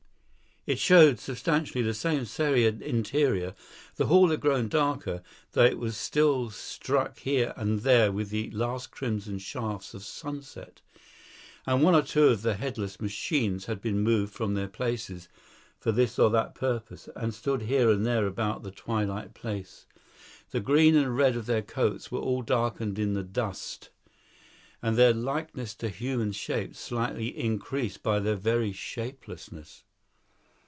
It showed substantially the same serried interior; the hall had grown darker, though it was still struck here and there with the last crimson shafts of sunset, and one or two of the headless machines had been moved from their places for this or that purpose, and stood here and there about the twilit place. The green and red of their coats were all darkened in the dusk; and their likeness to human shapes slightly increased by their very shapelessness.